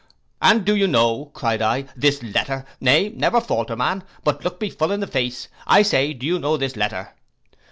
'—'And do you know,' cried I, 'this letter? Nay, never falter man; but look me full in the face: I say, do you know this letter?